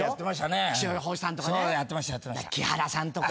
木原さんとか。